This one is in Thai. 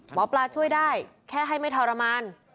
หมอปลาช่วยได้แค่ให้ไม่ทรมาน